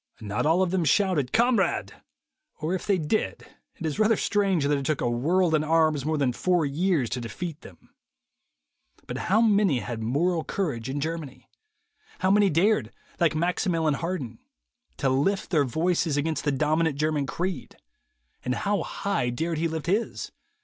Not all of them shouted "Kamerad," or if they did, it is rather strange that it took a world in arms more than four years to defeat them. But how many had moral courage in Germany? How many dared, like Maximilien Harden, to lift their voices against the dominant German creed, and how high dared he lift his?